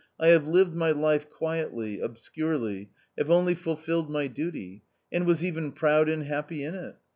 I have lived my life quietly, obscurely, have only fulfilled my duty, and was even proud and happy in it.